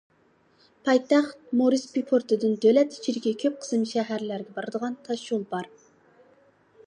پايتەخت مورېسبى پورتىدىن دۆلەت ئىچىدىكى كۆپ قىسىم شەھەرلەرگە بارىدىغان تاش يول بار.